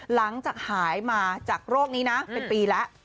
หลังจากหายมาจากโรคนี้นะเป็นปีแล้ว